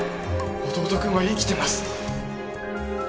弟君は生きてます